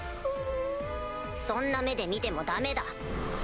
そんな目で見てもダメだ。